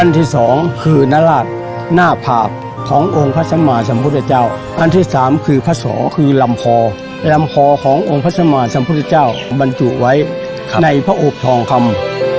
ที่สองคือนราชหน้าผากขององค์พระสัมมาสัมพุทธเจ้าอันที่สามคือพระสอคือลำคอลำคอขององค์พระสมาสัมพุทธเจ้าบรรจุไว้ในพระอบทองคำ